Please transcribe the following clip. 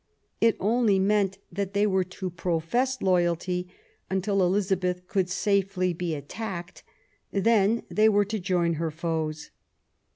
It only meant that they were to profess loyalty until Elizabeth could safely be attacked ; then they were to join her foes.